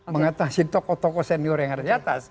mengatasi tokoh tokoh senior yang ada di atas